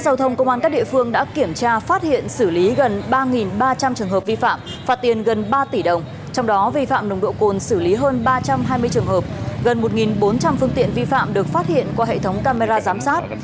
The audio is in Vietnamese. gần một bốn trăm linh phương tiện vi phạm được phát hiện qua hệ thống camera giám sát